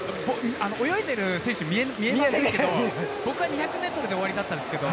泳いでいる選手見えないんですけど、僕は２００ｍで終わりだったんですけど